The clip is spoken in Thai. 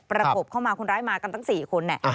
ประกบเข้ามาคนร้ายมากันทั้งสี่คนเนี่ย